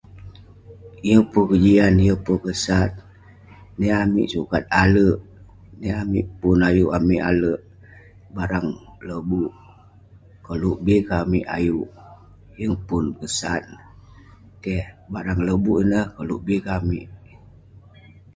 Yeng pun kejian, yeng pun kesat. Niah amik sukat alek, niah amik pun ayuk amik alek barang labuk, koluk bi ke amik ayuk. Yeng pun kesat neh. Keh. Barang lobuk neh, koluk bi ke amik.